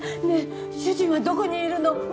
ねえ主人はどこにいるの！？